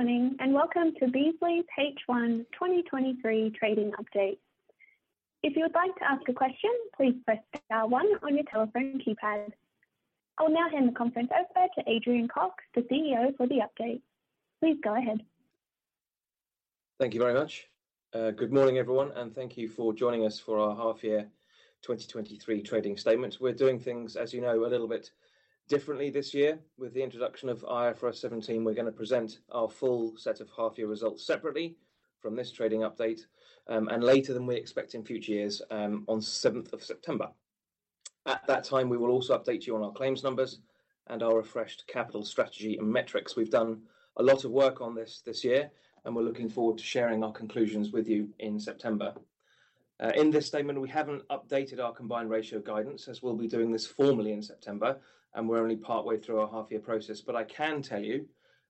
Good morning. Welcome to Beazley's H1 2023 Trading Update. If you would like to ask a question, please press star one on your telephone keypad. I will now hand the conference over to Adrian Cox, the CEO, for the update. Please go ahead. Thank you very much. Good morning, everyone, and thank you for joining us for our Half Year 2023 Trading Statement. We're doing things, as you know, a little bit differently this year. With the introduction of IFRS 17, we're gonna present our full set of half year results separately from this trading update, and later than we expect in future years, on 7th of September. At that time, we will also update you on our claims numbers and our refreshed capital strategy and metrics. We've done a lot of work on this this year, and we're looking forward to sharing our conclusions with you in September. In this statement, we haven't updated our combined ratio of guidance, as we'll be doing this formally in September, and we're only partway through our half year process. I can tell you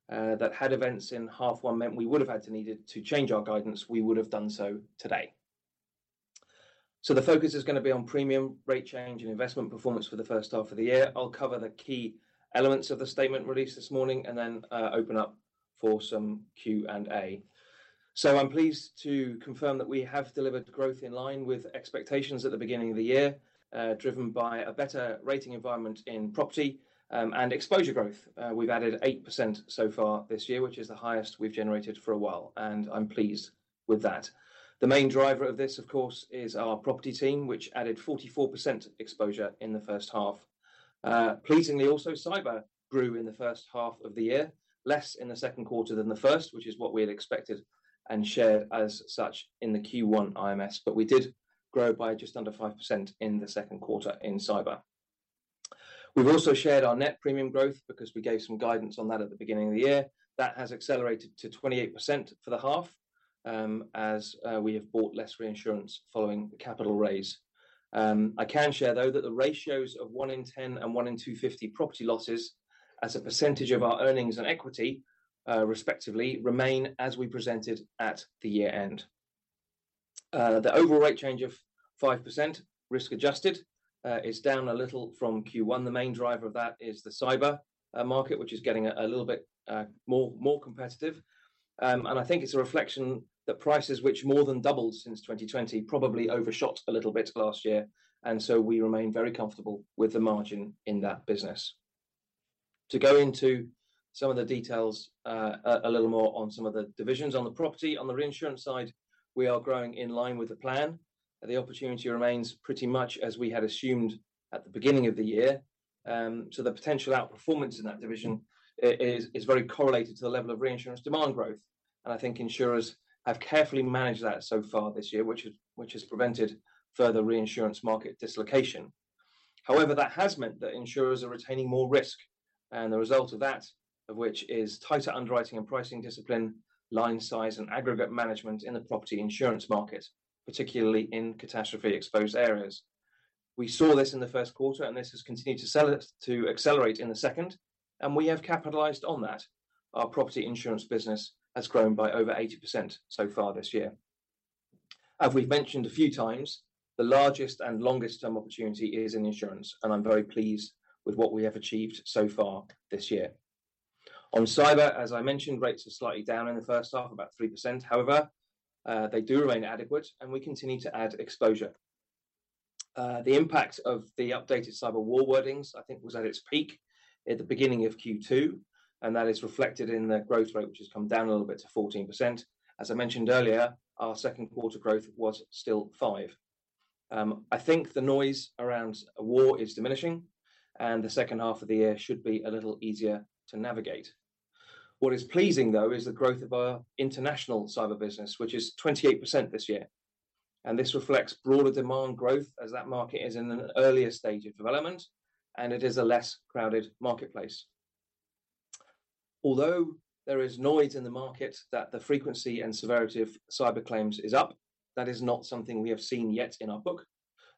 that had events in H1 meant we would have had to needed to change our guidance, we would have done so today. The focus is gonna be on premium rate change and investment performance for the H1 of the year. I'll cover the key elements of the statement released this morning and then open up for some Q&A. I'm pleased to confirm that we have delivered growth in line with expectations at the beginning of the year, driven by a better rating environment in property, and exposure growth. We've added 8% so far this year, which is the highest we've generated for a while, and I'm pleased with that. The main driver of this, of course, is our property team, which added 44% exposure in the H1. Pleasingly also, cyber grew in the H1 of the year, less in the Q2 than the first, which is what we had expected and shared as such in the Q1 IMS. We did grow by just under 5% in the Q2 in cyber. We've also shared our net premium growth because we gave some guidance on that at the beginning of the year. That has accelerated to 28% for the half as we have bought less reinsurance following the capital raise. I can share, though, that the ratios of 1 in 10 and 1 in 250 property losses as a percentage of our earnings and equity, respectively, remain as we presented at the year end. The overall rate change of 5%, risk adjusted, is down a little from Q1. The main driver of that is the cyber market, which is getting a little bit more competitive. I think it's a reflection that prices, which more than doubled since 2020, probably overshot a little bit last year, we remain very comfortable with the margin in that business. To go into some of the details a little more on some of the divisions. On the property, on the reinsurance side, we are growing in line with the plan, the opportunity remains pretty much as we had assumed at the beginning of the year. The potential outperformance in that division is very correlated to the level of reinsurance demand growth, I think insurers have carefully managed that so far this year, which has prevented further reinsurance market dislocation. That has meant that insurers are retaining more risk, and the result of that, of which is tighter underwriting and pricing discipline, line size, and aggregate management in the property insurance market, particularly in catastrophe-exposed areas. We saw this in the Q1, and this has continued to accelerate in the second, and we have capitalized on that. Our property insurance business has grown by over 80% so far this year. As we've mentioned a few times, the largest and longest term opportunity is in insurance, and I'm very pleased with what we have achieved so far this year. On cyber, as I mentioned, rates are slightly down in the H1, about 3%. They do remain adequate, and we continue to add exposure. The impact of the updated cyber war wordings, I think, was at its peak at the beginning of Q2. That is reflected in the growth rate, which has come down a little bit to 14%. As I mentioned earlier, our Q2 growth was still 5%. I think the noise around war is diminishing. The H2 of the year should be a little easier to navigate. What is pleasing, though, is the growth of our international cyber business, which is 28% this year. This reflects broader demand growth as that market is in an earlier stage of development. It is a less crowded marketplace. Although there is noise in the market that the frequency and severity of cyber claims is up, that is not something we have seen yet in our book,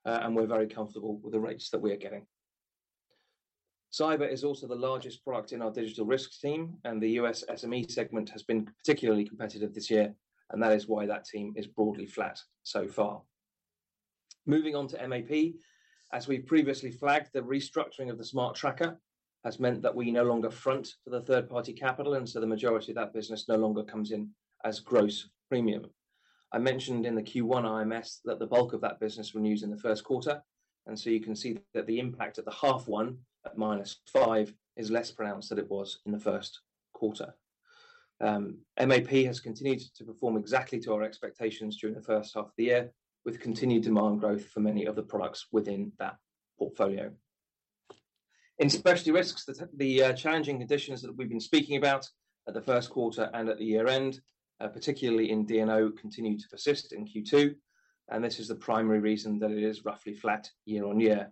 and we're very comfortable with the rates that we are getting. Cyber is also the largest product in our Digital Risk team. The US SME segment has been particularly competitive this year. That is why that team is broadly flat so far. Moving on to MAP. As we've previously flagged, the restructuring of the Smart Tracker has meant that we no longer front for the third-party capital. So the majority of that business no longer comes in as gross premium. I mentioned in the Q1 IMS that the bulk of that business renews in the Q1. You can see that the impact at the half one, at -5, is less pronounced than it was in the Q1. MAP has continued to perform exactly to our expectations during the H1 of the year, with continued demand growth for many of the products within that portfolio. In specialty risks, challenging conditions that we've been speaking about at the Q1 and at the year end, particularly in D&O, continued to persist in Q2. This is the primary reason that it is roughly flat year-on-year.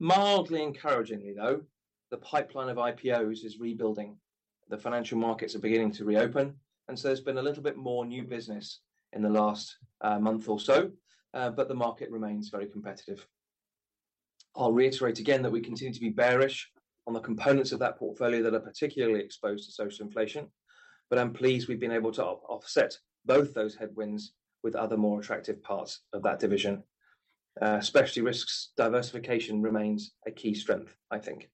Mildly encouragingly, though, the pipeline of IPOs is rebuilding. The financial markets are beginning to reopen, there's been a little bit more new business in the last month or so. The market remains very competitive. I'll reiterate again that we continue to be bearish on the components of that portfolio that are particularly exposed to social inflation. I'm pleased we've been able to offset both those headwinds with other more attractive parts of that division. Especially risks diversification remains a key strength, I think.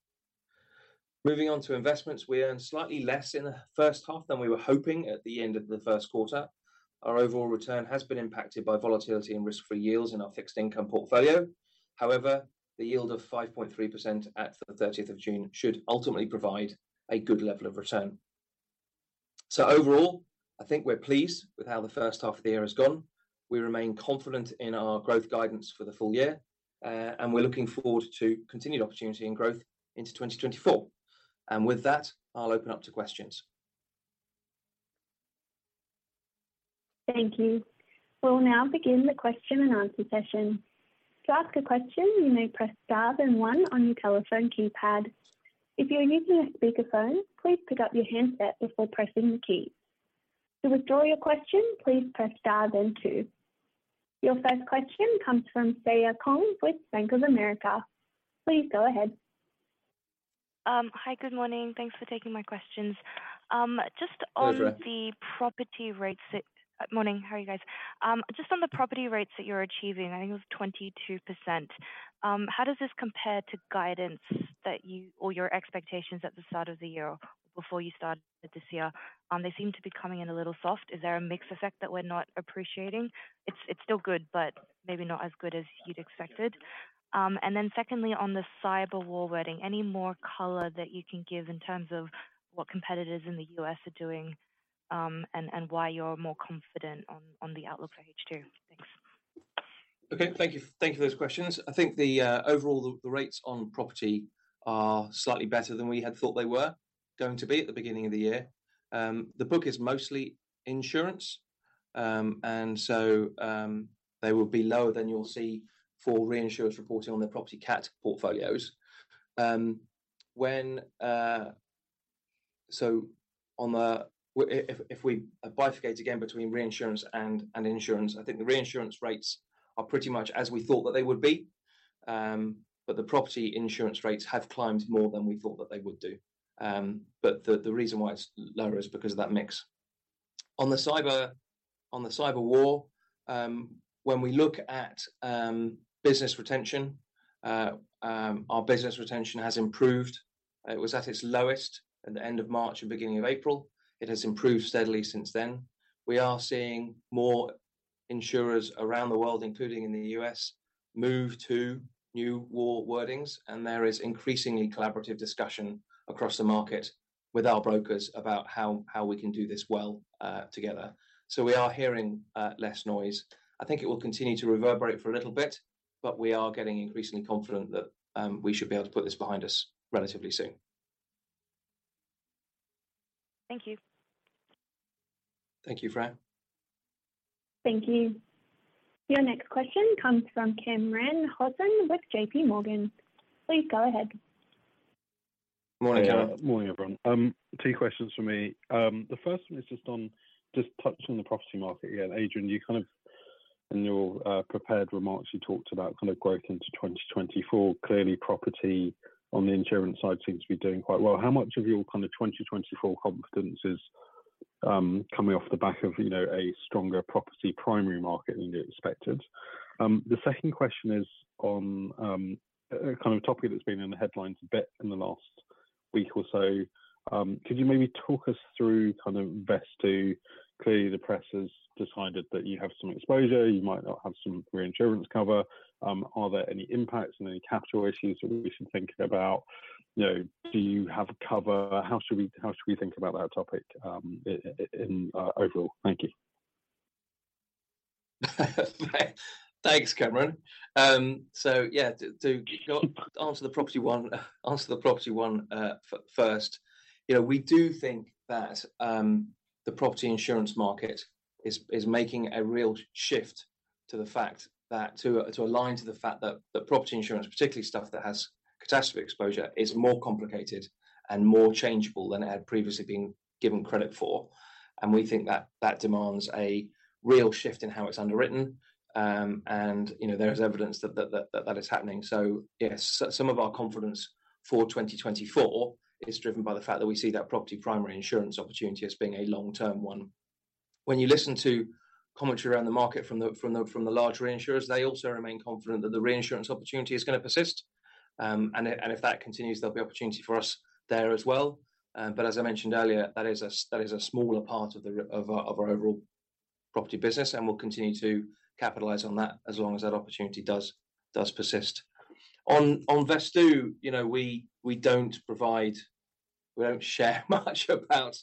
Moving on to investments. We earned slightly less in the H1 than we were hoping at the end of the Q1. Our overall return has been impacted by volatility and risk for yields in our fixed income portfolio. The yield of 5.3% at the 30th of June should ultimately provide a good level of return. Overall, I think we're pleased with how the H1 of the year has gone. We remain confident in our growth guidance for the full year, and we're looking forward to continued opportunity and growth into 2024. With that, I'll open up to questions. Thank you. We'll now begin the question and answer session. To ask a question, you may press star then one on your telephone keypad. If you're using a speakerphone, please pick up your handset before pressing the key. To withdraw your question, please press star then two. Your first question comes from Freya Kong with Bank of America. Please go ahead. Hi, good morning. Thanks for taking my questions. Hi, Freya. Morning, how are you guys? Just on the property rates that you're achieving, I think it was 22%. How does this compare to guidance that you or your expectations at the start of the year before you started this year? They seem to be coming in a little soft. Is there a mix effect that we're not appreciating? It's still good, but maybe not as good as you'd expected. Secondly, on the cyber war wording, any more color that you can give in terms of what competitors in the US are doing, and why you're more confident on the outlook for H2? Thanks. Okay. Thank you, thank you for those questions. I think the overall the rates on property are slightly better than we had thought they were going to be at the beginning of the year. The book is mostly insurance, and so they will be lower than you'll see for reinsurers reporting on their property cat portfolios. If we bifurcate again between reinsurance and insurance, I think the reinsurance rates are pretty much as we thought that they would be. The property insurance rates have climbed more than we thought that they would do. The reason why it's lower is because of that mix. On the cyber war, when we look at business retention, our business retention has improved. It was at its lowest at the end of March and beginning of April. It has improved steadily since then. We are seeing more insurers around the world, including in the US, move to new war wordings, There is increasingly collaborative discussion across the market with our brokers about how we can do this well together. We are hearing less noise. I think it will continue to reverberate for a little bit, but we are getting increasingly confident that we should be able to put this behind us relatively soon. Thank you. Thank you, Freya. Thank you. Your next question comes from Cameron Morris with JPMorgan. Please go ahead. Morning, Cameron. Morning, everyone. Two questions from me. The first one is just on just touching on the property market again. Adrian Cox, you kind of, in your prepared remarks, you talked about kind of growth into 2024. Clearly, property on the insurance side seems to be doing quite well. How much of your kind of 2024 confidence is coming off the back of, you know, a stronger property primary market than you expected? The second question is on a kind of topic that's been in the headlines a bit in the last week or so. Could you maybe talk us through kind of Vesttoo? Clearly, the press has decided that you have some exposure, you might not have some reinsurance cover. Are there any impacts or any capitalizations that we should be thinking about? You know, do you have cover? How should we think about that topic, in overall? Thank you. Thanks, Cameron. Yeah, to short answer the property one, first, you know, we do think that the property insurance market is making a real shift to the fact that to align to the fact that the property insurance, particularly stuff that has catastrophe exposure, is more complicated and more changeable than it had previously been given credit for. We think that that demands a real shift in how it's underwritten. You know, there is evidence that that is happening. Yes, some of our confidence for 2024 is driven by the fact that we see that property primary insurance opportunity as being a long-term one. When you listen to commentary around the market from the large reinsurers, they also remain confident that the reinsurance opportunity is gonna persist. If that continues, there'll be opportunity for us there as well. As I mentioned earlier, that is a smaller part of our overall property business, and we'll continue to capitalize on that as long as that opportunity does persist. On Vesttoo, you know, we don't share much about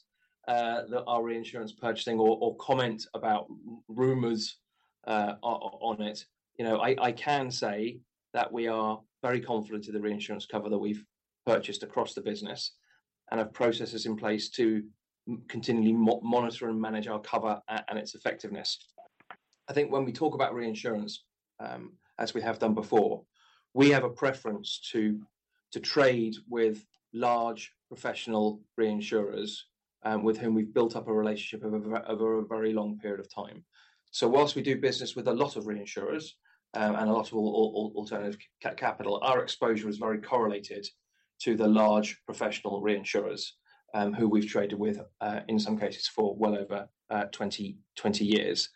our reinsurance purchasing or comment about rumors on it. You know, I can say that we are very confident in the reinsurance cover that we've purchased across the business, and have processes in place to continually monitor and manage our cover and its effectiveness. I think when we talk about reinsurance, as we have done before, we have a preference to trade with large professional reinsurers, with whom we've built up a relationship over a very long period of time. Whilst we do business with a lot of reinsurers, and a lot of alternative capital, our exposure is very correlated to the large professional reinsurers, who we've traded with, in some cases for well over 20 years.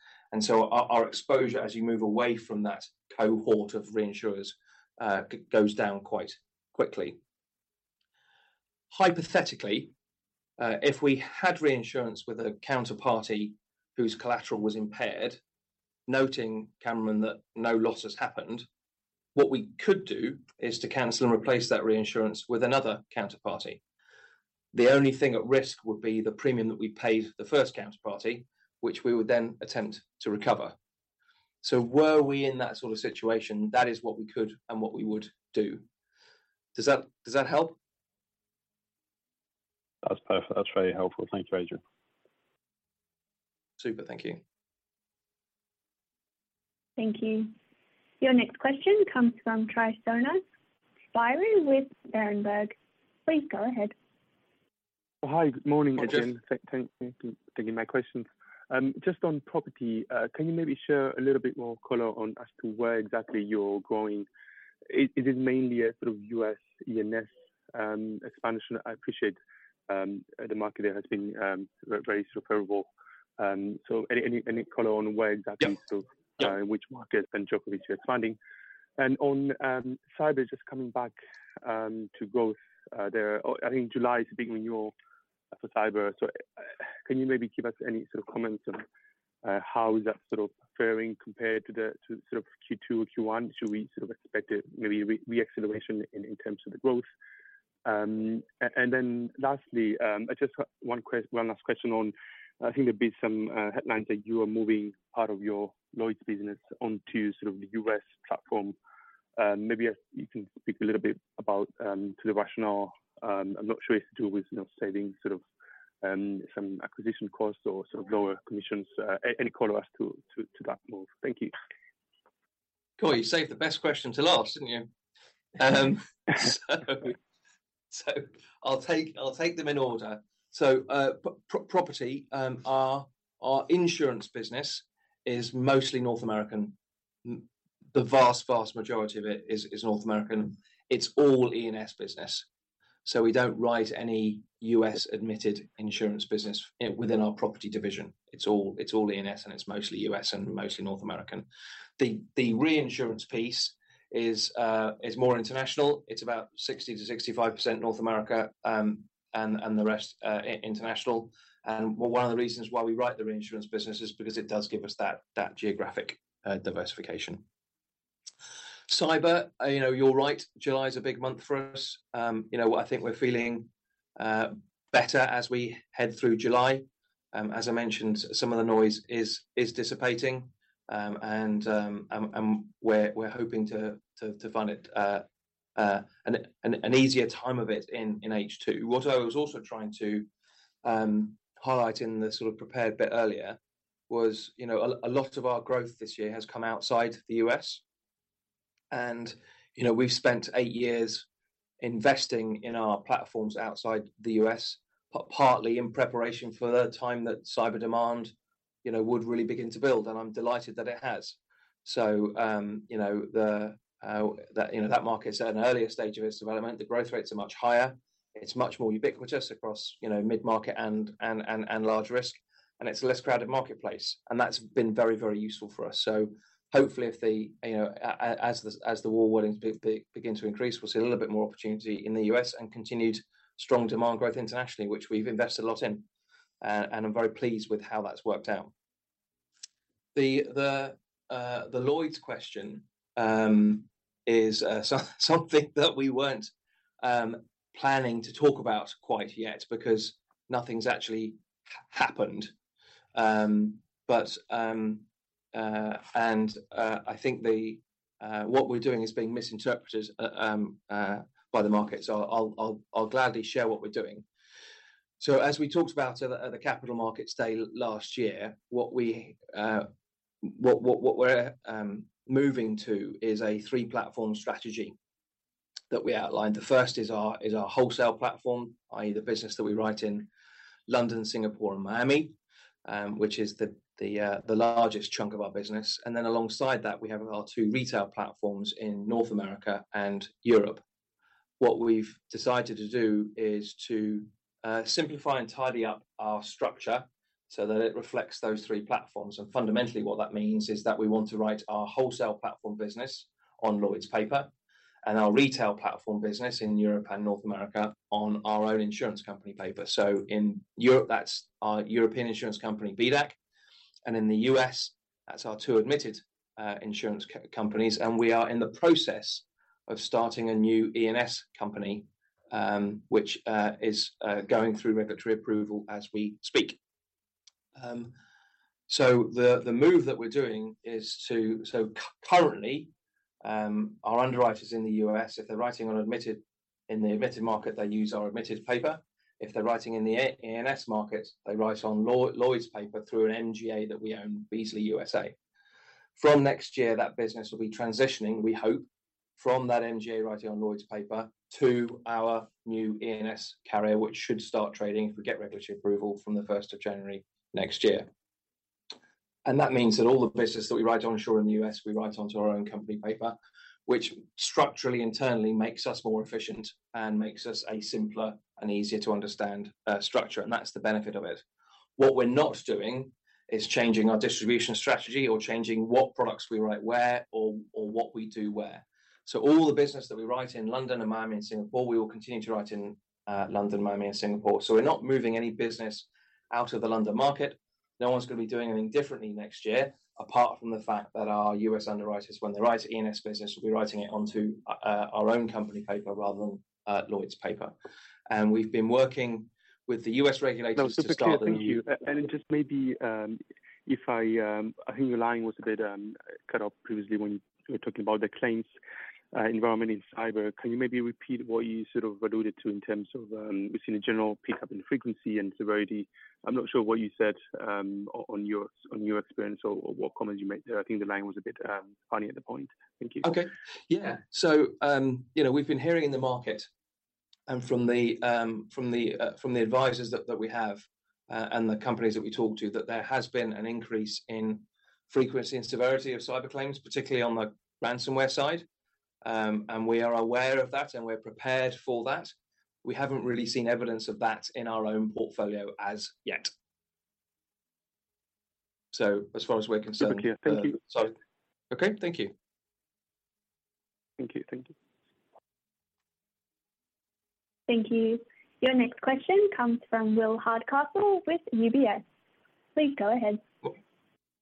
Our exposure as you move away from that cohort of reinsurers, goes down quite quickly. Hypothetically, if we had reinsurance with a counterparty whose collateral was impaired, noting, Cameron, that no loss has happened, what we could do is to cancel and replace that reinsurance with another counterparty. The only thing at risk would be the premium that we paid the first counterparty, which we would then attempt to recover. Were we in that sort of situation, that is what we could and what we would do. Does that help? That's perfect. That's very helpful. Thank you, Adrian. Super. Thank you. Thank you. Your next question comes from Tryfonas Spyrou with Berenberg. Please go ahead. Hi, good morning, Adrian. [inaudible] Thank you for taking my questions. Just on property, can you maybe share a little bit more color on as to where exactly you're growing? It, it is mainly a sort of US E&S expansion. I appreciate the market there has been very sort of favorable. Any color on where exactly? Yeah. Which market and geography you're expanding? On cyber just coming back to growth there, I think July is a big renewal for cyber. Can you maybe give us any sort of comments on how is that sort of faring compared to sort of Q2, Q1? Should we sort of expect a re-acceleration in terms of the growth? Then lastly, I just have one last question on, I think there'd been some headlines that you are moving part of your Lloyd's business onto sort of the US platform. If you can speak a little bit about to the rationale. I'm not sure if it's to do with, you know, saving sort of some acquisition costs or sort of lower commissions. Any color as to that move? Thank you. You saved the best question to last, didn't you? I'll take them in order. Property, our insurance business is mostly North American. The vast majority of it is North American. It's all E&S business, so we don't write any US-admitted insurance business within our property division. It's all E&S, it's mostly US and mostly North American. The reinsurance piece is more international. It's about 60% to 65% North America, and the rest international. Well, one of the reasons why we write the reinsurance business is because it does give us that geographic diversification. Cyber, you know, you're right, July is a big month for us. You know what? I think we're feeling better as we head through July. As I mentioned, some of the noise is dissipating. And we're hoping to find it an easier time of it in H2. What I was also trying to highlight in the sort of prepared bit earlier was, you know, a lot of our growth this year has come outside the US. And, you know, we've spent eight years investing in our platforms outside the US, partly in preparation for the time that cyber demand, you know, would really begin to build, and I'm delighted that it has. You know, the, you know, that market's at an earlier stage of its development. The growth rates are much higher. It's much more ubiquitous across, you know, mid-market and large risk, and it's a less crowded marketplace. That's been very useful for us. Hopefully, if the, you know, as the war wordings begin to increase, we'll see a little bit more opportunity in the US and continued strong demand growth internationally, which we've invested a lot in. I'm very pleased with how that's worked out. The Lloyd's question is so something that we weren't planning to talk about quite yet because nothing's actually happened. I think what we're doing is being misinterpreted by the market, so I'll gladly share what we're doing. As we talked about at the Capital Markets Day last year, what we're moving to is a three-platform strategy that we outlined. The first is our wholesale platform, i.e., the business that we write in London, Singapore, and Miami, which is the largest chunk of our business. Alongside that, we have our two retail platforms in North America and Europe. What we've decided to do is to simplify and tidy up our structure so that it reflects those three platforms. Fundamentally, what that means is that we want to write our wholesale platform business on Lloyd's paper and our retail platform business in Europe and North America on our own insurance company paper. In Europe, that's our European insurance company, BDAC, and in the US, that's our two admitted insurance companies. We are in the process of starting a new E&S company, which is going through regulatory approval as we speak. Currently, our underwriters in the US, if they're writing on admitted, in the admitted market, they use our admitted paper. If they're writing in the E&S market, they write on Lloyd's paper through an MGA that we own, Beazley USA. From next year, that business will be transitioning, we hope, from that MGA writing on Lloyd's paper to our new E&S carrier, which should start trading, if we get regulatory approval, from the first of January next year. That means that all the business that we write onshore in the US, we write onto our own company paper, which structurally, internally makes us more efficient and makes us a simpler and easier to understand structure. That's the benefit of it. What we're not doing is changing our distribution strategy or changing what products we write where or what we do where. All the business that we write in London, and Miami, and Singapore, we will continue to write in London, Miami, and Singapore. We're not moving any business out of the London market. No one's gonna be doing anything differently next year, apart from the fact that our US underwriters, when they write E&S business, will be writing it onto our own company paper rather than Lloyd's paper. We've been working with the US regulators to start the. [inaudible] No, super clear. Thank you. Just maybe, I think your line was a bit cut off previously when you were talking about the claims environment in cyber. Can you maybe repeat what you sort of alluded to in terms of we've seen a general pickup in frequency and severity? I'm not sure what you said on your experience or what comments you made there. I think the line was a bit funny at the point. Thank you. Okay. Yeah. You know, we've been hearing in the market and from the from the advisors that we have, and the companies that we talk to, that there has been an increase in frequency and severity of cyber claims, particularly on the ransomware side. We are aware of that, and we're prepared for that. We haven't really seen evidence of that in our own portfolio as yet. As far as we're concerned. Super clear. Thank you. Sorry. Okay, thank you. Thank you. Thank you. Thank you. Your next question comes from William Hardcastle with UBS. Please go ahead.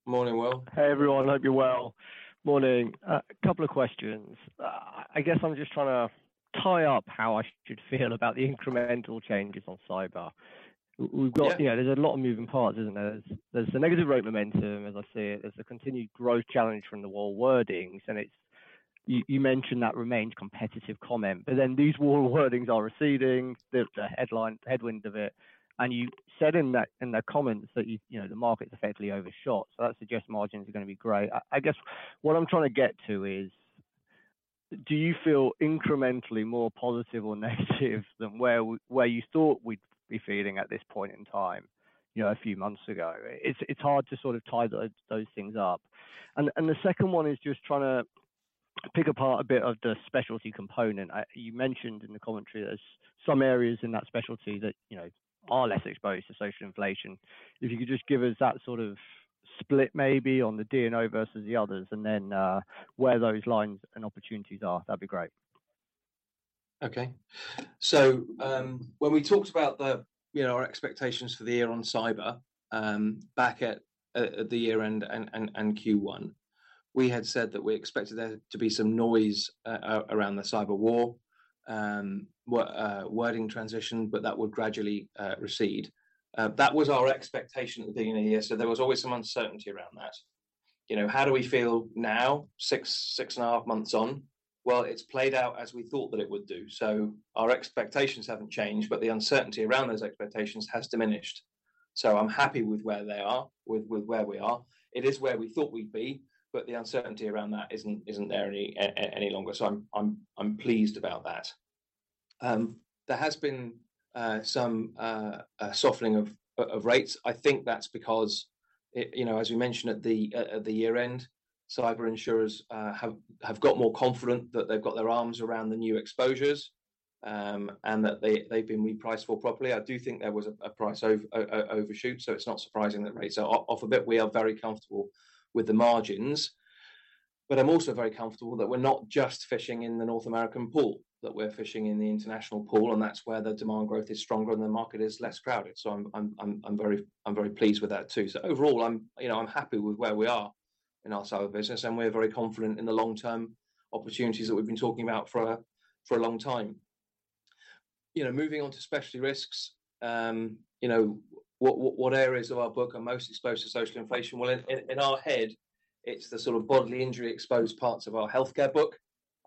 Morning, Will. Hey, everyone. Hope you're well. Morning. A couple of questions. I guess I'm just trying to tie up how I should feel about the incremental changes on cyber. Yeah. You know, there's a lot of moving parts, isn't there? There's the negative rate momentum, as I see it. There's the continued growth challenge from the war wordings, and you mentioned that remains competitive comment, but then these war wordings are receding. There's a headline, headwind of it, and you said in that, in the comments that you know, the market's effectively overshot, so that suggests margins are gonna be great. I guess what I'm trying to get to is, do you feel incrementally more positive or negative than where you thought we'd be feeling at this point in time, you know, a few months ago? It's hard to sort of tie those things up. The second one is just trying to pick apart a bit of the specialty component. You mentioned in the commentary there's some areas in that specialty that, you know, are less exposed to social inflation. If you could just give us that sort of split maybe on the D&O versus the others, and then, where those lines and opportunities are, that'd be great. Okay. When we talked about the, you know, our expectations for the year on cyber, back at the year-end and Q1, we had said that we expected there to be some noise around the cyber war wording transition, but that would gradually recede. That was our expectation at the beginning of the year, there was always some uncertainty around that. You know, how do we feel now, six and a half months on? Well, it's played out as we thought that it would do. Our expectations haven't changed, but the uncertainty around those expectations has diminished. I'm happy with where they are, with where we are. It is where we thought we'd be, but the uncertainty around that isn't there any longer. I'm pleased about that. There has been some a softening of rates. I think that's because it, you know, as we mentioned at the year-end, cyber insurers have got more confident that they've got their arms around the new exposures and that they've been repriced for properly. I do think there was a price overshot, so it's not surprising that rates are up a bit. We are very comfortable with the margins. I'm also very comfortable that we're not just fishing in the North American pool, that we're fishing in the international pool, and that's where the demand growth is stronger and the market is less crowded. I'm very pleased with that too. Overall, I'm, you know, I'm happy with where we are in our cyber business, and we're very confident in the long-term opportunities that we've been talking about for a long time. Moving on to specialty risks, what areas of our book are most exposed to social inflation? Well, in our head, it's the sort of bodily injury exposed parts of our healthcare book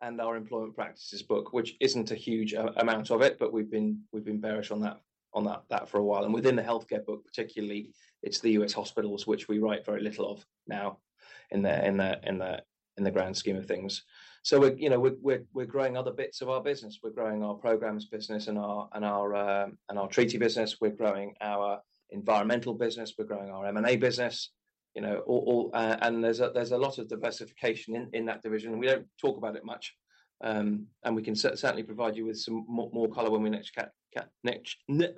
and our employment practices book, which isn't a huge amount of it, but we've been bearish on that for a while. Within the healthcare book, particularly, it's the US hospitals, which we write very little of now in the grand scheme of things. We're, you know, we're growing other bits of our business. We're growing our programs business and our treaty business. We're growing our environmental business. We're growing our M&A business. You know, all. There's a lot of diversification in that division, and we don't talk about it much. We can certainly provide you with some more color when we [inaudible] Put my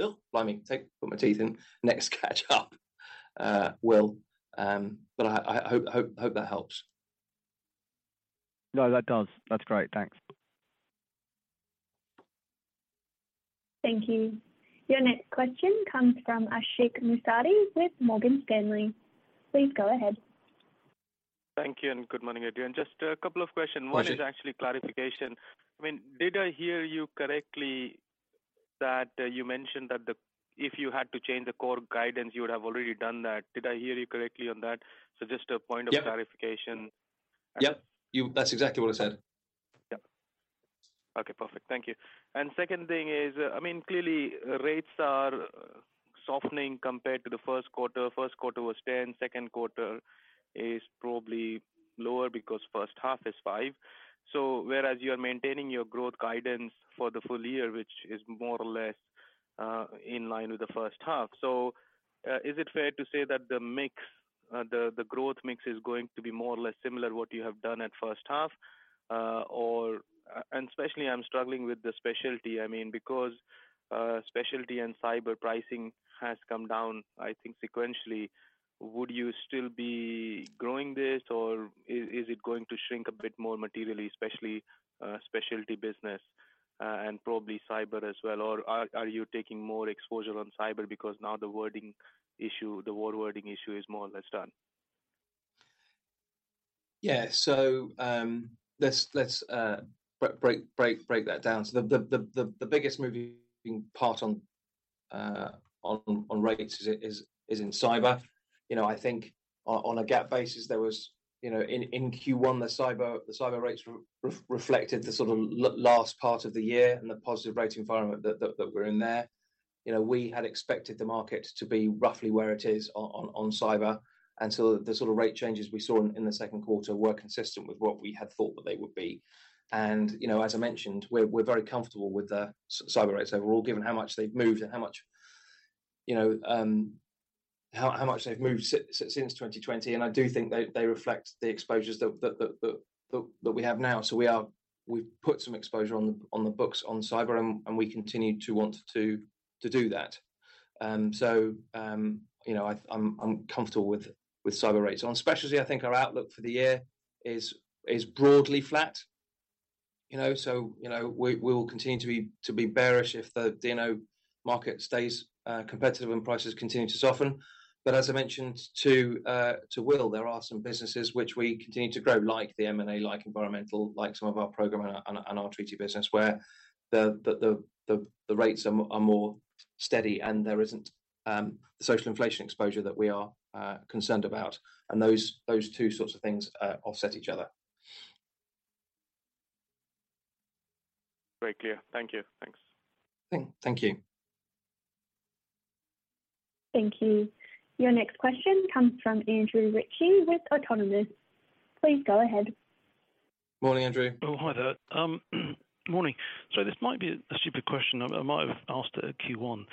teeth in. Next catch up, Will. I hope that helps. No, that does. That's great. Thanks. Thank you. Your next question comes from Ashik Musaddi with Morgan Stanley. Please go ahead. Thank you, and good morning, everyone. Just a couple of questions. Pleasure. One is actually clarification. I mean, did I hear you correctly, that you mentioned that if you had to change the core guidance, you would have already done that? Did I hear you correctly on that? Yep Just for clarification. Yep, That's exactly what I said. Yep. Okay, perfect. Thank you. Second thing is, I mean, clearly, rates are softening compared to the Q1. Q1 was 10, Q2 is probably lower because H1 is five. Whereas you are maintaining your growth guidance for the full year, which is more or less in line with the H1. Is it fair to say that the mix, the growth mix is going to be more or less similar to what you have done at H1? And especially, I'm struggling with the specialty. I mean, because specialty and cyber pricing has come down, I think, sequentially, would you still be growing this, or is it going to shrink a bit more materially, especially specialty business, and probably cyber as well? Are you taking more exposure on cyber because now the wording issue, the war wording issue is more or less done? Let's break that down. The biggest moving part on rates is in cyber. You know, I think on a GAAP basis, there was... You know, in Q1, the cyber rates reflected the sort of last part of the year and the positive rate environment that were in there. You know, we had expected the market to be roughly where it is on cyber, and so the sort of rate changes we saw in the Q2 were consistent with what we had thought that they would be. You know, as I mentioned, we're very comfortable with the cyber rates overall, given how much they've moved and how much, you know, how much they've moved since 2020. I do think they reflect the exposures that we have now. We've put some exposure on the books on cyber, and we continue to want to do that. You know, I'm comfortable with cyber rates. On specialty, I think our outlook for the year is broadly flat. You know, we will continue to be bearish if the D&O market stays competitive and prices continue to soften. As I mentioned to Will, there are some businesses which we continue to grow, like the M&A, like environmental, like some of our program and our treaty business, where the rates are more steady, and there isn't social inflation exposure that we are concerned about. Those two sorts of things offset each other. Very clear. Thank you. Thanks. Thank you. Thank you. Your next question comes from Andrew Ritchie with Autonomous. Please go ahead. Morning, Andrew. Hi there. Morning. This might be a stupid question. I might have asked it at Q1.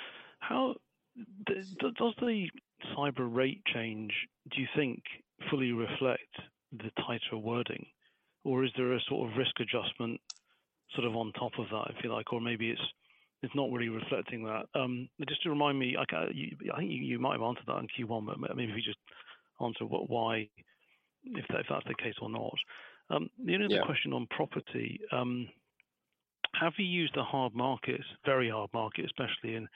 Does the cyber rate change, do you think, fully reflect the tighter wording, or is there a sort of risk adjustment sort of on top of that, I feel like, or maybe it's not really reflecting that? Just to remind me, like, you, I think you might have answered that on Q1, but maybe if you just answer why, if that, if that's the case or not? Yeah. The other question on property, have you used the hard markets, very hard market, especially in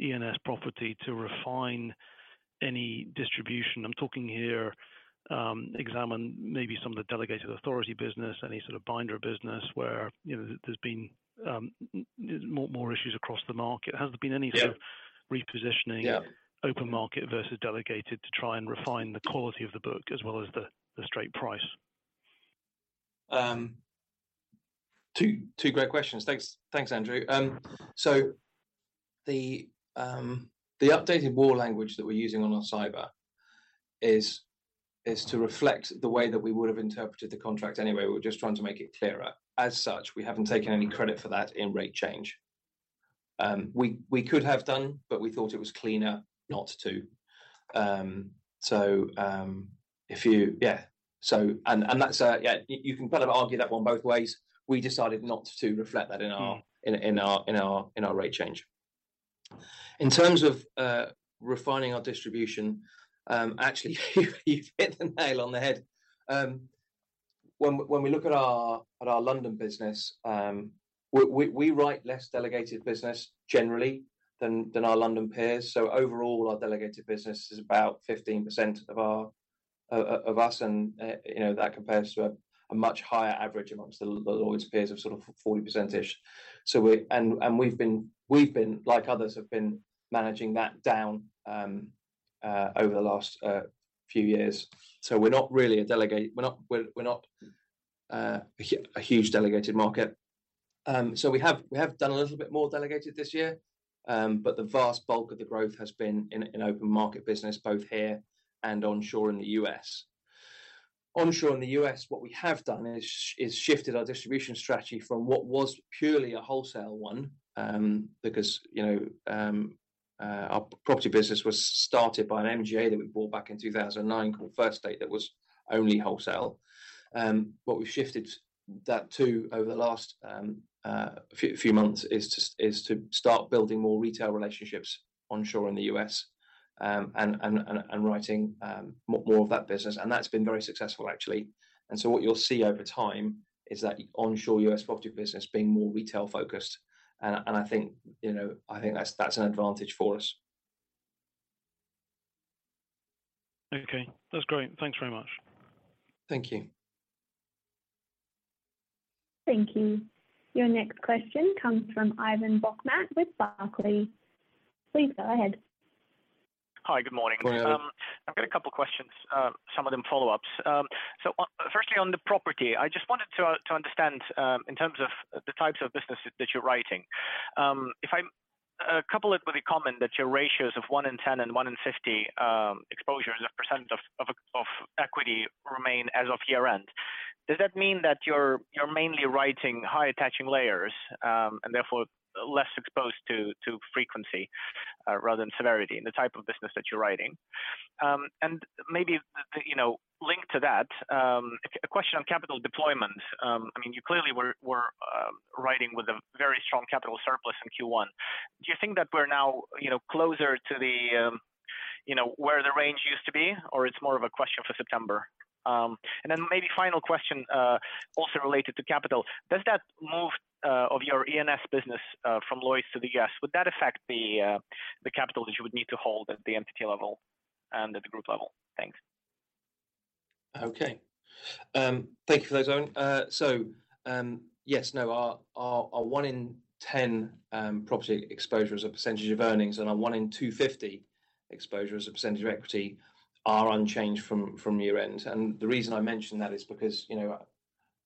E&S property, to refine any distribution? I'm talking here, examine maybe some of the delegated authority business, any sort of binder business where, you know, there's been more issues across the market. Has there been any sort of. Yeah... repositioning- Yeah Open market versus delegated to try and refine the quality of the book as well as the straight price? Two great questions. Thanks, Andrew. The updated war language that we're using on our cyber is to reflect the way that we would have interpreted the contract anyway. We're just trying to make it clearer. As such, we haven't taken any credit for that in rate change. We could have done, but we thought it was cleaner not to. If you... Yeah. That's, yeah, you can kind of argue that one both ways. We decided not to reflect that in our- Mm-hmm... in our rate change. In terms of refining our distribution, actually, you've hit the nail on the head. When we look at our London business, we write less delegated business generally than our London peers. Overall, our delegated business is about 15% of us, and, you know, that compares to a much higher average amongst the Lloyd's peers of sort of 40%-ish. We've been, like others, have been managing that down over the last few years. We're not really a delegate. We're not a huge delegated market. We have done a little bit more delegated this year, but the vast bulk of the growth has been in open market business, both here and onshore in the US Onshore in the US, what we have done is shifted our distribution strategy from what was purely a wholesale one, because, you know, our property business was started by an MGA that we bought back in 2009, called First State, that was only wholesale. What we've shifted that to over the last few months is to start building more retail relationships onshore in the US, and writing more of that business, and that's been very successful actually. What you'll see over time is that onshore US property business being more retail-focused, and I think, you know, I think that's an advantage for us. Okay, that's great. Thanks very much. Thank you. Thank you. Your next question comes from Ivan Bokhmat with Barclays. Please go ahead. Hi, good morning. Good morning. I've got a couple questions, some of them follow-ups. Firstly, on the property, I just wanted to understand in terms of the types of businesses that you're writing. Couple it with a comment that your ratios of 1 in 10 and 1 in 50 exposures as a % of equity remain as of year-end. Does that mean that you're mainly writing high attaching layers, and therefore less exposed to frequency rather than severity in the type of business that you're writing? Maybe the, you know, link to that, a question on capital deployment. I mean, you clearly were writing with a very strong capital surplus in Q1. Do you think that we're now, you know, closer to the, you know, where the range used to be, or it's more of a question for September? Then maybe final question, also related to capital: Does that move of your E&S business from Lloyd's to the US, would that affect the capital that you would need to hold at the entity level and at the group level? Thanks. Okay. Thank you for those. Yes, no, our 1 in 10 property exposure as a % of earnings, and our 1 in 250 exposure as a % of equity are unchanged from year-end. The reason I mention that is because, you know,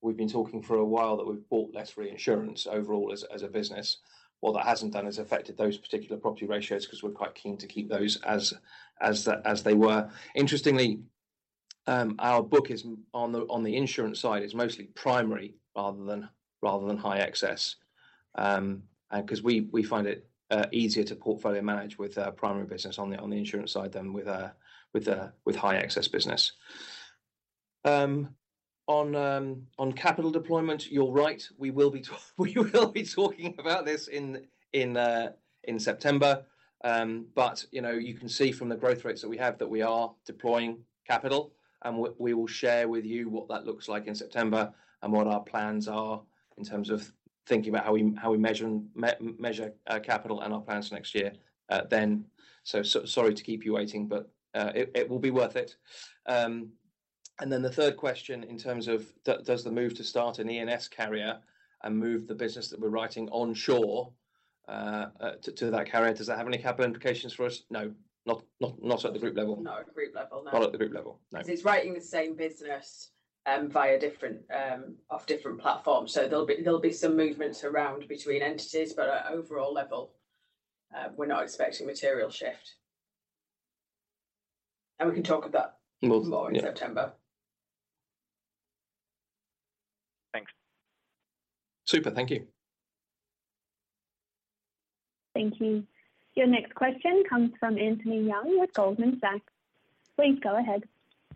we've been talking for a while that we've bought less reinsurance overall as a business. What that hasn't done has affected those particular property ratios 'cause we're quite keen to keep those as they were. Interestingly, our book on the insurance side is mostly primary rather than high excess. 'cause we find it easier to portfolio manage with our primary business on the insurance side than with high excess business. On capital deployment, you're right, we will be talking about this in September. You know, you can see from the growth rates that we have, that we are deploying capital, and we will share with you what that looks like in September, and what our plans are in terms of thinking about how we measure capital and our plans next year then. Sorry to keep you waiting, but it will be worth it. The third question in terms of does the move to start an E&S carrier and move the business that we're writing onshore to that carrier, does that have any capital implications for us? No. Not at the group level. Not at the group level, no. Not at the group level, no. It's writing the same business, via different platforms. There'll be some movements around between entities, but at overall level, we're not expecting material shift. We can talk about. Yeah More in September. Thanks. Super. Thank you. Thank you. Your next question comes from Anthony Yang with Goldman Sachs. Please go ahead.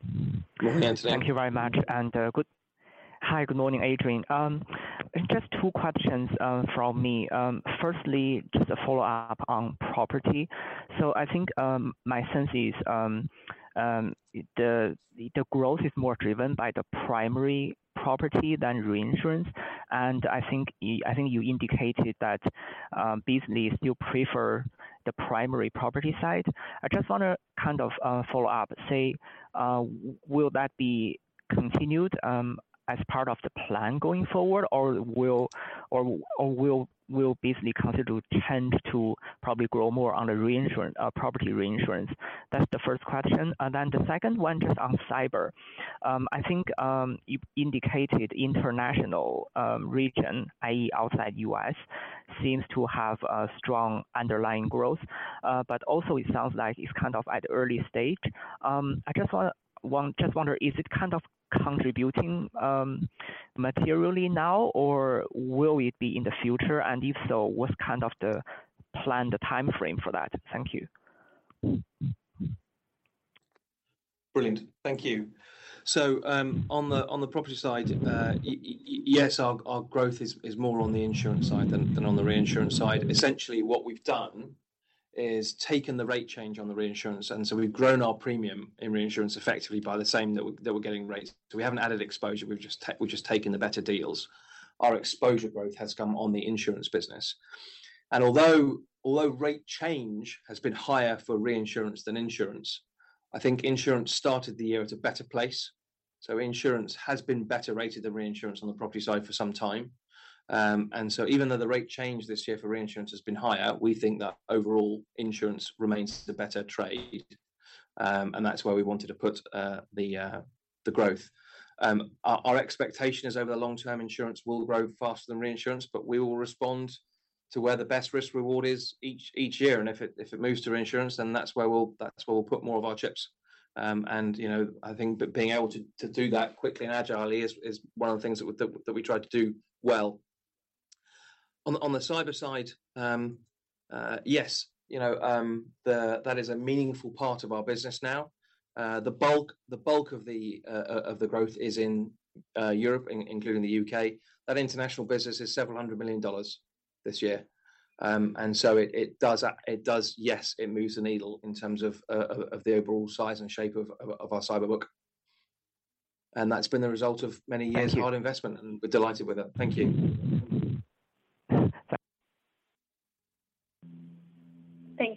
[inaudible] Thank you very much. Hi, good morning, Adrian. Just two questions from me. Firstly, just a follow-up on property. I think my sense is the growth is more driven by the primary property than reinsurance. I think you indicated that Beazley still prefer the primary property side. I just wanna kind of follow up, say, will that be continued as part of the plan going forward? Will Beazley continue to tend to probably grow more on the reinsurance property reinsurance? That's the first question. The second one, just on cyber. I think you indicated international region, i.e., outside US, seems to have a strong underlying growth. But also it sounds like it's kind of at early stage. I just wanna just wonder, is it kind of contributing materially now, or will it be in the future? If so, what's kind of the planned timeframe for that? Thank you. Brilliant. Thank you. On the property side, yes, our growth is more on the insurance side than on the reinsurance side. Essentially, what we've done is taken the rate change on the reinsurance, we've grown our premium in reinsurance effectively by the same that we're getting rates. We haven't added exposure, we've just taken the better deals. Our exposure growth has come on the insurance business. Although rate change has been higher for reinsurance than insurance, I think insurance started the year at a better place. Insurance has been better rated than reinsurance on the property side for some time. Even though the rate change this year for reinsurance has been higher, we think that overall insurance remains the better trade. That's where we wanted to put the growth. Our expectation is over the long term, insurance will grow faster than reinsurance, but we will respond to where the best risk reward is each year. If it moves to reinsurance, then that's where we'll put more of our chips. You know, I think that being able to do that quickly and agilely is one of the things that we try to do well. On the cyber side, yes, you know, that is a meaningful part of our business now. The bulk of the growth is in Europe, including the UK. That international business is several hundred million dollars this year. It does, yes, it moves the needle in terms of the overall size and shape of our cyber book. That's been the result of many years of hard investment. Thank you. And we're delighted with it. Thank you.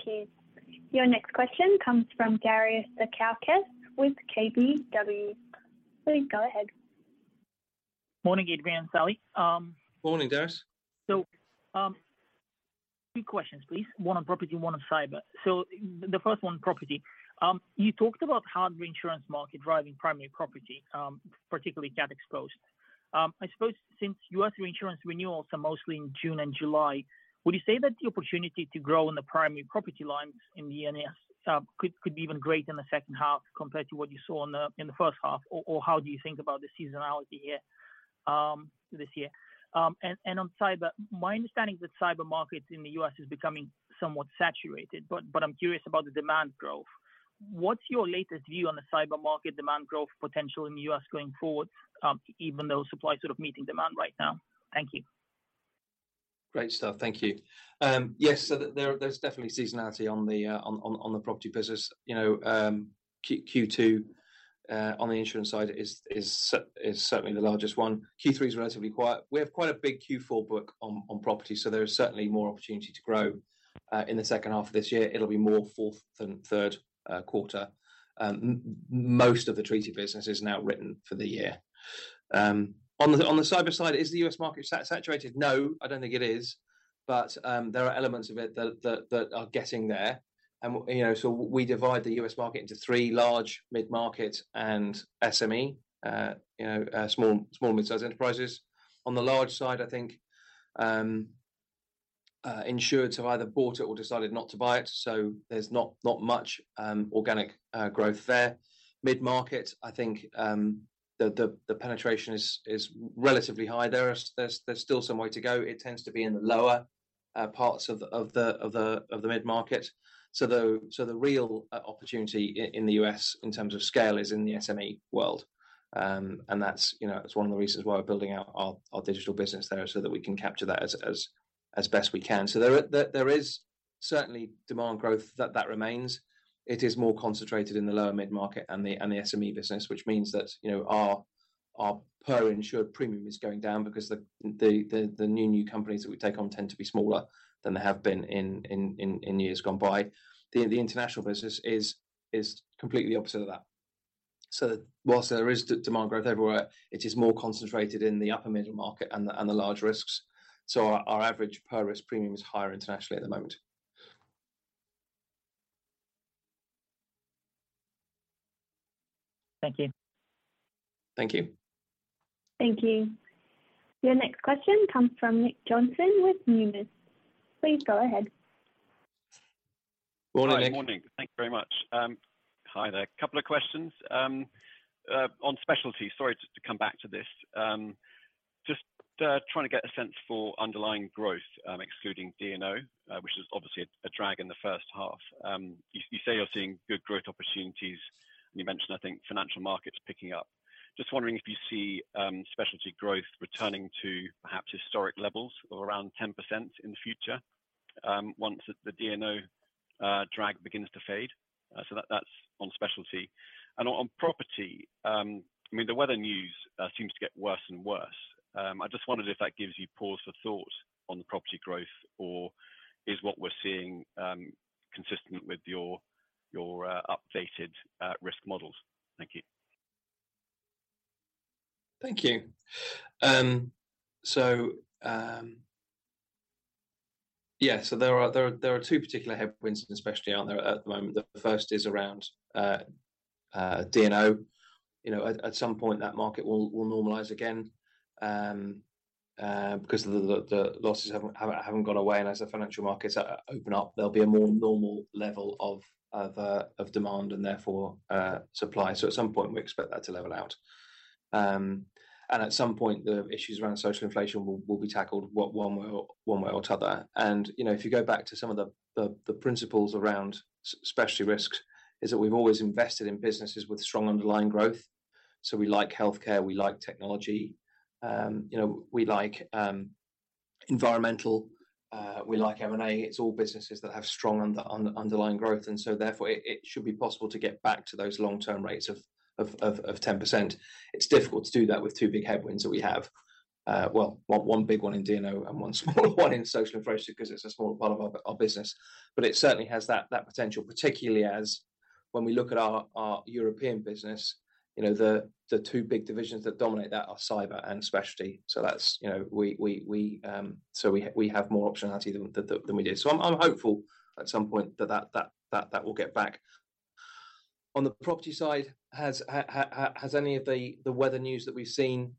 Thank you. Your next question comes from Darius Satkauskas with KBW. Please, go ahead. Morning, Adrian and Sally. Morning, Darius. Two questions, please. One on property, one on cyber. The first one, property. You talked about how the reinsurance market driving primary property, particularly cat exposed. I suppose since US reinsurance renewals are mostly in June and July, would you say that the opportunity to grow in the primary property lines in the E&S, could be even great in the H2 compared to what you saw on the, in the H1? How do you think about the seasonality here, this year? On cyber, my understanding is that cyber market in the US is becoming somewhat saturated, but I'm curious about the demand growth. What's your latest view on the cyber market demand growth potential in the US going forward, even though supply is sort of meeting demand right now? Thank you. Great stuff. Thank you. Yes, there's definitely seasonality on the property business. You know, Q2 on the insurance side is certainly the largest one. Q3 is relatively quiet. We have quite a big Q4 book on property, so there is certainly more opportunity to grow in the H2 of this year. It'll be more Q4 than Q3. Most of the treaty business is now written for the year. On the cyber side, is the US market saturated? No, I don't think it is. There are elements of it that are getting there. You know, we divide the US market into three: large, mid-market, and SME, you know, small and midsize enterprises. On the large side, I think insureds have either bought it or decided not to buy it, so there's not much organic growth there. Mid-market, I think the penetration is relatively high there. There's still some way to go. It tends to be in the lower parts of the mid-market. The real opportunity in the US in terms of scale is in the SME world. That's, you know, it's one of the reasons why we're building out our digital business there, so that we can capture that as best we can. There is certainly demand growth that remains. It is more concentrated in the lower mid-market and the SME business, which means that, you know, our per insured premium is going down because the new companies that we take on tend to be smaller than they have been in years gone by. The international business is completely opposite of that. Whilst there is demand growth everywhere, it is more concentrated in the upper middle market and the large risks. Our, our average per-risk premium is higher internationally at the moment. Thank you. Thank you. Thank you. Your next question comes from Nick Johnson with Numis. Please go ahead. Morning, Nick. Hi. Morning. Thank you very much. Hi there. Couple of questions. On specialty, sorry, just to come back to this. Just trying to get a sense for underlying growth, excluding D&O, which is obviously a drag in the H1. You say you're seeing good growth opportunities, and you mentioned, I think, financial markets picking up. Just wondering if you see specialty growth returning to perhaps historic levels of around 10% in the future, once the D&O drag begins to fade? So that's on specialty. On property, I mean, the weather news seems to get worse and worse. I just wondered if that gives you pause for thought on the property growth, or is what we're seeing consistent with your updated risk models? Thank you. Thank you. There are two particular headwinds, especially out there at the moment. The first is around D&O. You know, at some point, that market will normalize again, because the losses haven't gone away. As the financial markets open up, there'll be a more normal level of demand and therefore, supply. At some point, we expect that to level out. At some point, the issues around social inflation will be tackled one way or t'other. You know, if you go back to some of the principles around specialty risks, is that we've always invested in businesses with strong underlying growth. We like healthcare, we like technology, you know, we like environmental, we like M&A. It's all businesses that have strong underlying growth. Therefore, it should be possible to get back to those long-term rates of 10%. It's difficult to do that with 2 big headwinds that we have. Well, one big one in D&O and one smaller one in social inflation 'cause it's a smaller part of our business. It certainly has that potential, particularly as when we look at our European business, you know, the two big divisions that dominate that are cyber and specialty. That's, you know, we have more optionality than we did. I'm hopeful at some point that will get back. On the property side, has any of the weather news that we've seen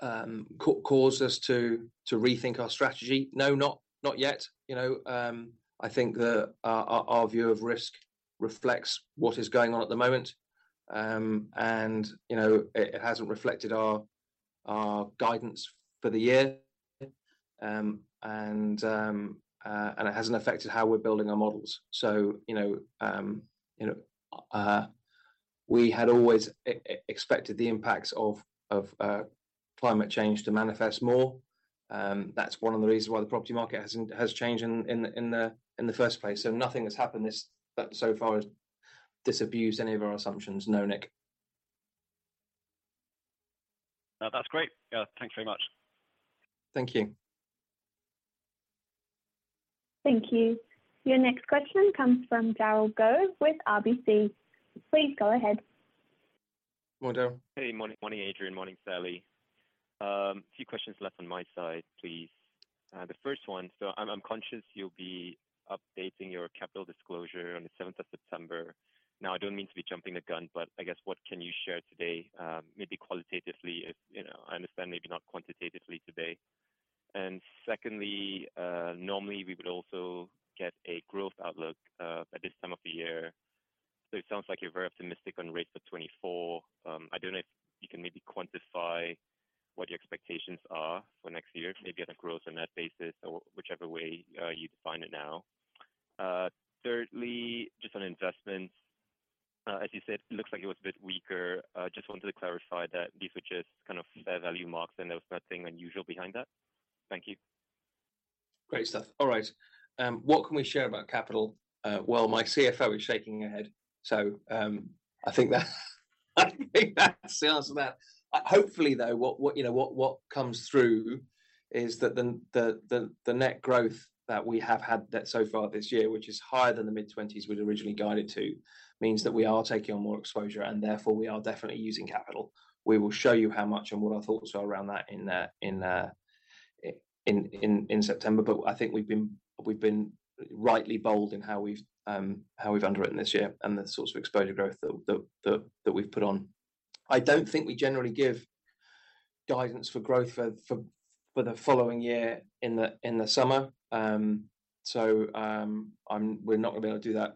caused us to rethink our strategy? No, not yet. You know, I think that our view of risk reflects what is going on at the moment. You know, it hasn't reflected our guidance for the year. It hasn't affected how we're building our models. You know, you know, we had always expected the impacts of climate change to manifest more. That's one of the reasons why the property market has changed in the first place. Nothing has happened that so far has disabused any of our assumptions. No, Nick. That's great. Yeah. Thank you very much. Thank you. Thank you. Your next question comes from Darryl Gove with RBC. Please go ahead. Morning, Darryl. Hey, morning, Adrian. Morning, Sally. A few questions left on my side, please. The first one, I'm conscious you'll be updating your capital disclosure on the 7th of September. Now, I don't mean to be jumping the gun, but I guess what can you share today, maybe qualitatively if, you know, I understand maybe not quantitatively today. Secondly, normally we would also get a growth outlook at this time of the year. It sounds like you're very optimistic on rates for 2024. I don't know if you can maybe quantify what your expectations are for next year, maybe on a growth on that basis or whichever way, you define it now. Thirdly, just on investments, as you said, it looks like it was a bit weaker. Just wanted to clarify that these were just kind of fair value marks and there was nothing unusual behind that. Thank you. Great stuff. All right, what can we share about capital? Well, my CFO is shaking her head. I think that says that. Hopefully, though, what, you know, what comes through is that the net growth that we have had that so far this year, which is higher than the mid-20s we'd originally guided to, means that we are taking on more exposure, and therefore, we are definitely using capital. We will show you how much and what our thoughts are around that in September. I think we've been rightly bold in how we've underwritten this year and the sorts of exposure growth that we've put on. I don't think we generally give guidance for growth for the following year in the summer. We're not gonna be able to do that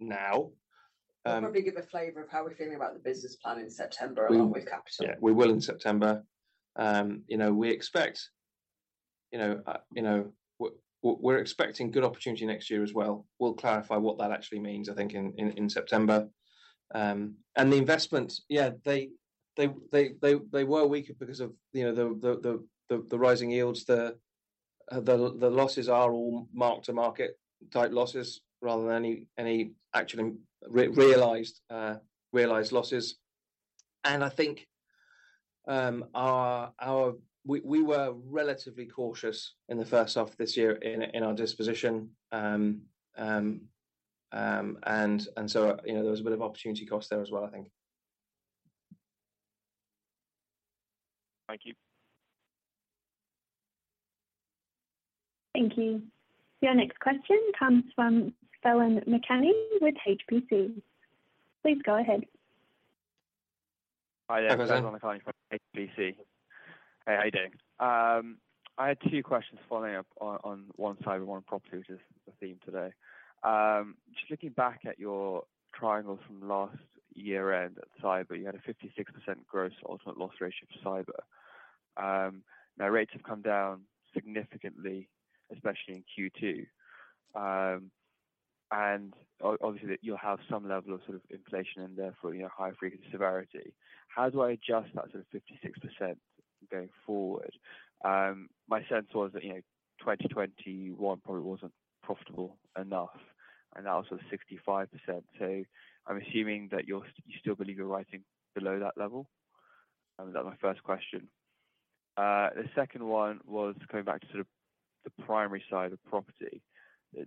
now. We'll probably give a flavor of how we're feeling about the business plan in September, along with capital. Yeah, we will in September. You know, we're expecting good opportunity next year as well. We'll clarify what that actually means, I think, in September. The investment, yeah, they were weaker because of, you know, the rising yields. The losses are all mark-to-market type losses rather than any actually realized losses. I think, We were relatively cautious in the H1 of this year in our disposition. You know, there was a bit of opportunity cost there as well, I think. Thank you. Thank you. Your next question comes from [inaudible] with HBC. Please go ahead. Hi there. [inaudible] from HBC. Hey, how are you doing? I had two questions following up on one side, one property, which is the theme today. Just looking back at your triangle from last year-end at cyber, you had a 56% gross ultimate loss ratio for cyber. Now rates have come down significantly, especially in Q2. And obviously, you'll have some level of sort of inflation and therefore, you know, higher frequency severity. How do I adjust that to 56% going forward? My sense was that, you know, 2021 probably wasn't profitable enough, and that was sort of 65%. I'm assuming that you still believe you're rising below that level? That's my first question. The second one was going back to sort of the primary side of property.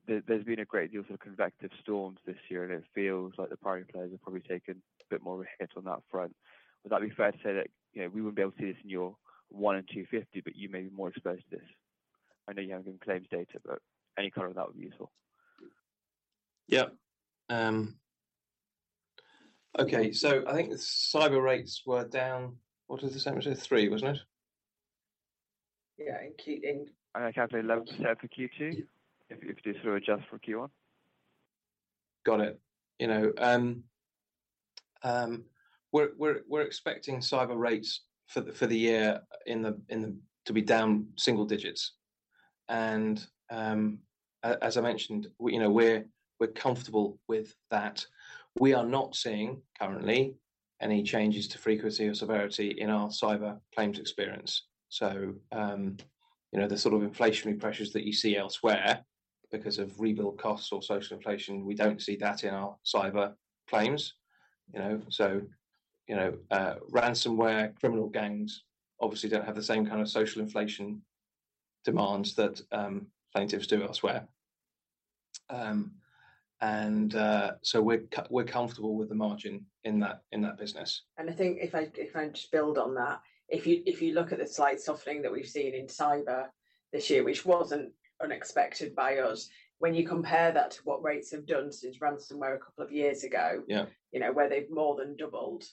There's been a great deal of convective storms this year. It feels like the primary players have probably taken a bit more hits on that front. Would that be fair to say that, you know, we wouldn't be able to see this in your 1 and 250, you may be more exposed to this? I know you haven't given claims data. Any comment on that would be useful. Yeah. Okay, I think the cyber rates were down... What was the percentage? 3, wasn't it? Yeah, in Q. I calculate low double for Q2, if you sort of adjust for Q1. Got it. You know, we're expecting cyber rates for the year to be down single digits. As I mentioned, you know, we're comfortable with that. We are not seeing currently any changes to frequency or severity in our cyber claims experience. You know, the sort of inflationary pressures that you see elsewhere because of rebuild costs or social inflation, we don't see that in our cyber claims, you know? You know, ransomware, criminal gangs obviously don't have the same kind of social inflation demands that plaintiffs do elsewhere. We're comfortable with the margin in that business. I think if I just build on that, if you look at the slight softening that we've seen in cyber this year, which wasn't unexpected by us, when you compare that to what rates have done since ransomware a couple of years ago. Yeah You know, where they've more than doubled,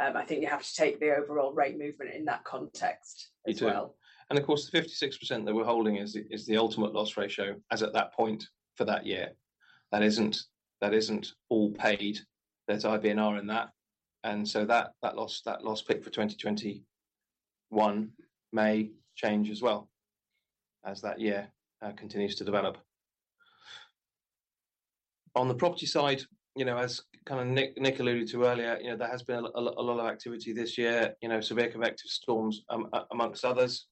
I think you have to take the overall rate movement in that context as well. You do. Of course, the 56% that we're holding is the ultimate loss ratio, as at that point for that year. That isn't all paid. There's IBNR in that loss pick for 2021 may change as well, as that year continues to develop. On the property side, you know, as kind of Nick alluded to earlier, you know, there has been a lot of activity this year, you know, severe convective storms amongst others.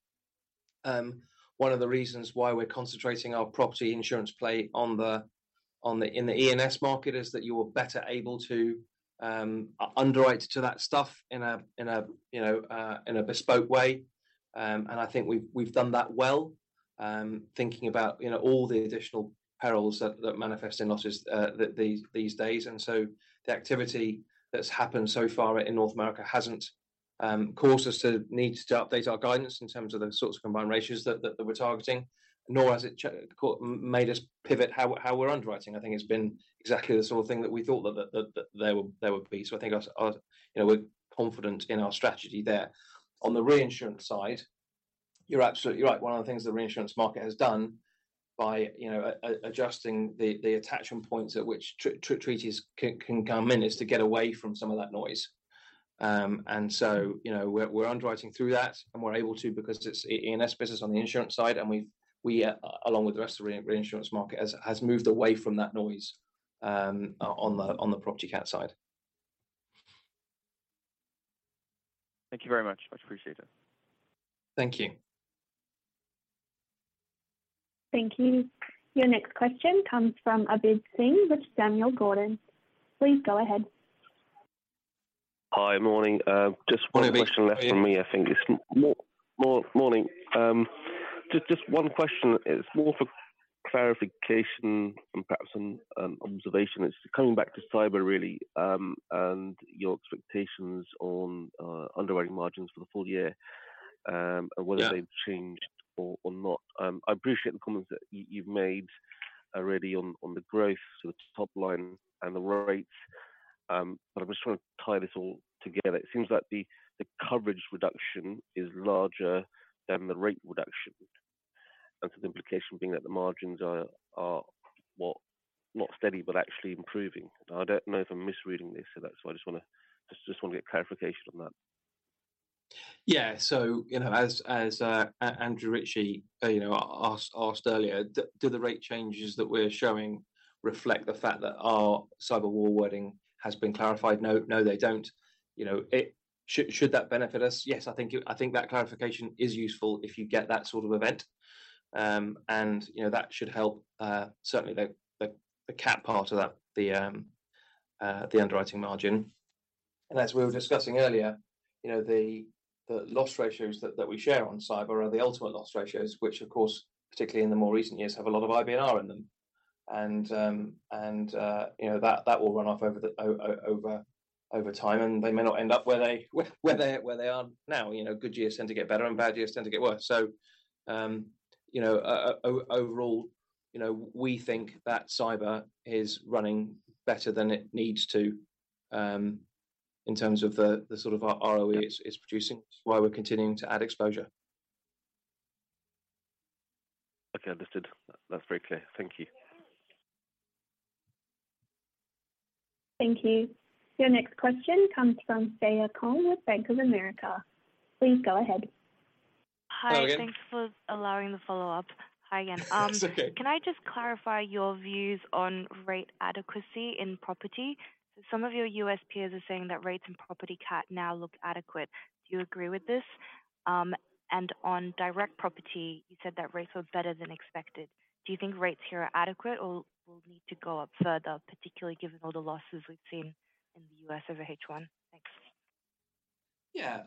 One of the reasons why we're concentrating our property insurance play in the E&S market, is that you are better able to underwrite to that stuff in a, you know, in a bespoke way. I think we've done that well, thinking about, you know, all the additional perils that manifest in losses, these days. The activity that's happened so far in North America hasn't caused us to need to update our guidance in terms of the sorts of combined ratios that we're targeting, nor has it made us pivot how we're underwriting. I think it's been exactly the sort of thing that we thought that there would be. I think us, you know, we're confident in our strategy there. On the reinsurance side, you're absolutely right. One of the things the reinsurance market has done by, you know, adjusting the attachment points at which treaties can come in, is to get away from some of that noise. You know, we're underwriting through that, and we, along with the rest of the reinsurance market, has moved away from that noise, on the property cat side. Thank you very much. Much appreciated. Thank you. Thank you. Your next question comes from Abid Hussain with Panmure Gordon. Please go ahead. Hi. Morning. Just one question. Morning, Abid.... left from me, I think. Morning. Just one question. It's more for clarification and perhaps an observation. It's coming back to cyber, really, and your expectations on underwriting margins for the full year. Yeah Whether they've changed or not. I appreciate the comments that you've made already on the growth, so the top line and the rates. I just want to tie this all together. It seems like the coverage reduction is larger than the rate reduction, the implication being that the margins are, what? Not steady, but actually improving. I don't know if I'm misreading this or that, I just wanna get clarification on that. Yeah. You know, as Andrew Ritchie, you know, asked earlier, do the rate changes that we're showing reflect the fact that our cyber war wording has been clarified? No, they don't. You know, should that benefit us? Yes, I think that clarification is useful if you get that sort of event. You know, that should help certainly the cat part of that, the underwriting margin. As we were discussing earlier, you know, the loss ratios that we share on cyber are the ultimate loss ratios, which of course, particularly in the more recent years, have a lot of IBNR in them. You know, that will run off over the over time, and they may not end up where they are now. You know, good years tend to get better, and bad years tend to get worse. You know, overall, you know, we think that cyber is running better than it needs to, in terms of the sort of ROE- Yeah... it's producing, why we're continuing to add exposure. Okay, understood. That's very clear. Thank you. Thank you. Your next question comes from Freya Kong with Bank of America. Please go ahead. Hi, again. Hi, thanks for allowing the follow-up. Hi, again. That's okay. Can I just clarify your views on rate adequacy in property? Some of your US peers are saying that rates in property cat now look adequate. Do you agree with this? On direct property, you said that rates were better than expected. Do you think rates here are adequate or will need to go up further, particularly given all the losses we've seen in the US over H1? Thanks. Yeah.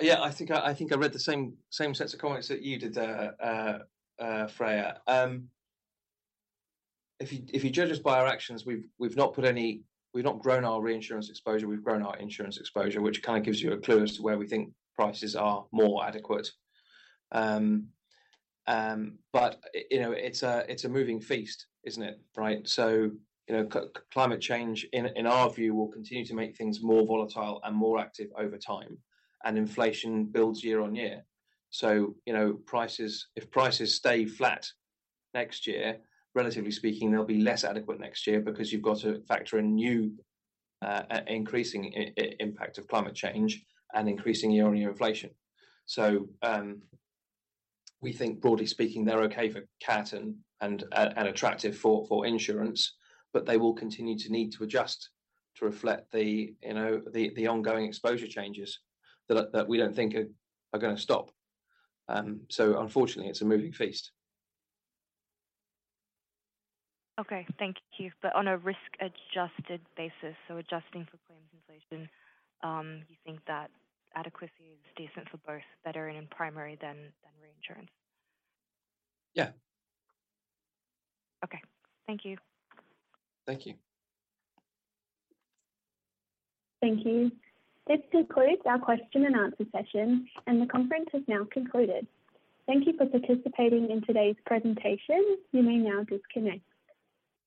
Yeah, I think I read the same sets of comments that you did there, Freya. If you judge us by our actions, we've not grown our reinsurance exposure. We've grown our insurance exposure, which kind of gives you a clue as to where we think prices are more adequate. You know, it's a moving feast, isn't it, right? You know, climate change, in our view, will continue to make things more volatile and more active over time, and inflation builds year-on-year. You know, if prices stay flat next year, relatively speaking, they'll be less adequate next year because you've got to factor in new, increasing impact of climate change and increasing year-on-year inflation. We think broadly speaking, they're okay for cat and attractive for insurance, but they will continue to need to adjust to reflect the, you know, the ongoing exposure changes that we don't think are gonna stop. Unfortunately, it's a moving feast. Okay. Thank you. On a risk-adjusted basis, so adjusting for claims inflation, you think that adequacy is decent for both better and in primary than reinsurance? Yeah. Okay. Thank you. Thank you. Thank you. This concludes our question and answer session, and the conference is now concluded. Thank you for participating in today's presentation. You may now disconnect.